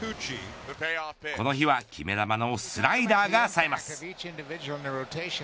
この日は決め球のスライダーがさえます。